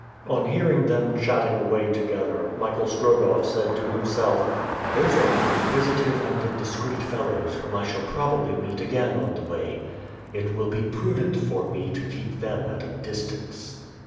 On hearing them chatting away together, Michael Strogoff said to himself: "Those are inquisitive and indiscreet fellows whom I shall probably meet again on the way. It will be prudent for me to keep them at a distance."